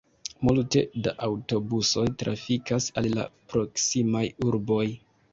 Multe da aŭtobusoj trafikas al la proksimaj urboj.